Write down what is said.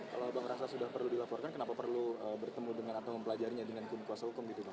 kalau bang rasa sudah perlu dilaporkan kenapa perlu bertemu dengan atau mempelajarinya dengan tim kuasa hukum gitu